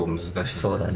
そうだね。